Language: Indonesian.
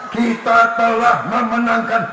kita telah memenangkan